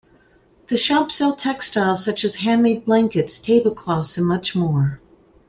The shops sell textiles such as handmade blankets, tablecloths, and much more.